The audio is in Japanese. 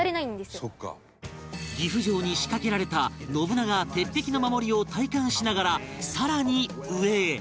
岐阜城に仕掛けられた信長鉄壁の守りを体感しながら更に上へ